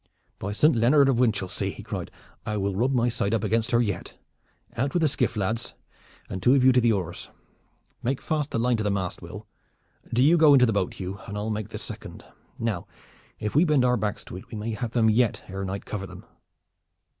"By Saint Leonard of Winchelsea," he cried, "I will rub my side up against her yet! Out with the skiff, lads, and two of you to the oars. Make fast the line to the mast, Will. Do you go in the boat, Hugh, and I'll make the second. Now if we bend our backs to it we may have them yet ere night cover them."